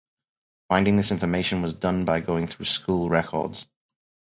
Finding this information was done by going through school records.